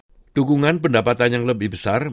pengurangan konsesi pajak pendapatan yang lebih besar